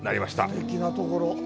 すてきなところ。